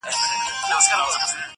راسه دوې سترگي مي دواړي درله دركړم~